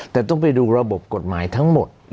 แต่ต้องไปดูระบบกฎหมายทั้งหมด